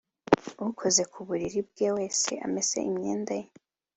Ukoze ku buriri bwe wese amese imyenda ye